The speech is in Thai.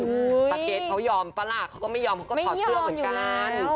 ปากเกรทเขายอมปะล่ะเขาก็ไม่ยอมเขาก็ถอดเสื้อเหมือนกัน